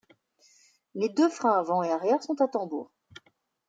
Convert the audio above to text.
Les deux freins avant et arrière sont à tambour.